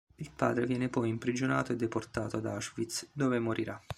Il padre viene poi imprigionato e deportato ad Auschwitz, dove morirà.